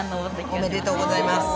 おめでとうございます。